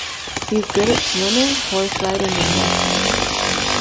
He's good at swimming, horse-riding and wrestling.